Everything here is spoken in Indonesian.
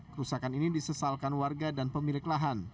kerusakan ini disesalkan warga dan pemilik lahan